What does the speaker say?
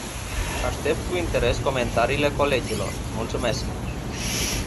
Aștept cu interes comentariile colegilor, mulțumesc.